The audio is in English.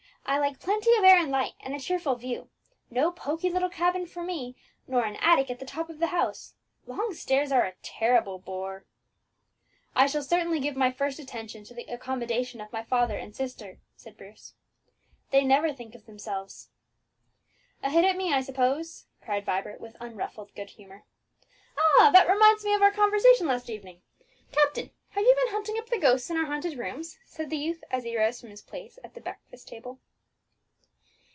I like plenty of air and light, and a cheerful view. No poky little cabin for me, nor an attic at the top of the house; long stairs are a terrible bore." "I shall certainly give my first attention to the accommodation of my father and sister," said Bruce; "they never think of themselves." "A hit at me, I suppose," cried Vibert with unruffled good humour. "Ah! that reminds me of our conversation last evening. Captain, have you been hunting up the ghosts in our haunted rooms?" asked the youth as he rose from his place at the breakfast table.